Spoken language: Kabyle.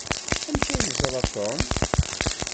Amek ay yeẓra Tom?